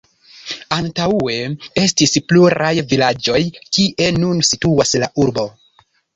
Antaŭe estis pluraj vilaĝoj kie nun situas la urbo.